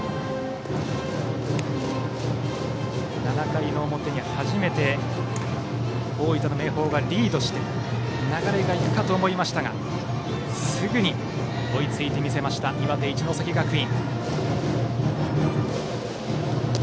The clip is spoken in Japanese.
７回の表に初めて大分の明豊がリードして流れがいくかと思いましたがすぐに追いついて見せました岩手・一関学院。